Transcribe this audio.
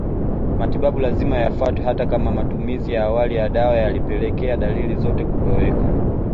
Matibabu lazima yafuatwe hata kama matumizi ya awali ya dawa yalipelekea dalili zote kutoweka